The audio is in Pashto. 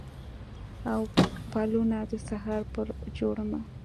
او پلونه د سهار پر جوړمه